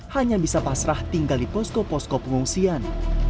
hanya bisa pasrah tinggal di posko posko pengungsian